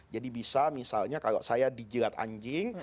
jadi bisa misalnya kalau saya dijilat anjing